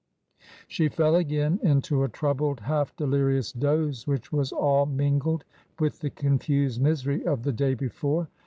She fell again into a troubled, half delirious doze which was all mingled with the confused misery of the day before.